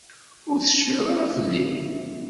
Ur tecfiḍ ara fell-i?